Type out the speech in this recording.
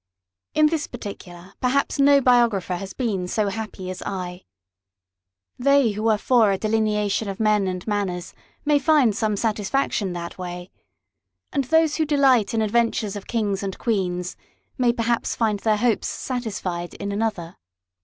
In this particular, perhaps no biographer has been so happy as I. They who are for a delineation of men and manners may find some satisfaction that way, and those who delight in adventures of kings and queens, may perhaps find their hopes satisfied in another.